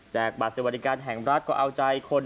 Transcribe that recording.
แจกบาสิตวรรดิการแห่งรัฐก็เอาใจคนในพักนั้น